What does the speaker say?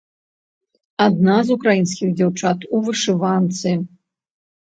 Адна з украінскіх дзяўчат у вышыванцы.